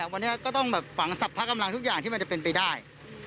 วันนี้ก็ต้องฝังสรรพกำลังทุกอย่างที่มันจะเป็นไปได้